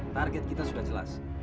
target kita sudah jelas